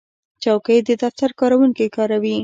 چوکۍ د دفتر کارکوونکي کاروي.